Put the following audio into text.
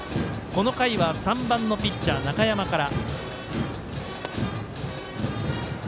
この回は３番のピッチャー中山から。